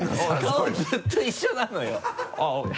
顔ずっと一緒なのよ